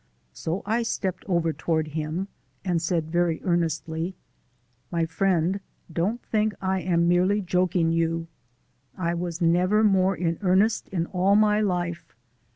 So I stepped over toward him and said very earnestly: "My friend, don't think I am merely joking you. I was never more in earnest in all my life.